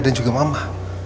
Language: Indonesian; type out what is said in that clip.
dan juga mama